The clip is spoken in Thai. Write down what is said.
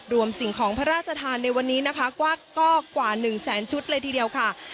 รวมสิ่งของพระราชธานในวันนี้นะคะก็กว่าหนึ่งแสนชุดเลยทีเดียวค่ะ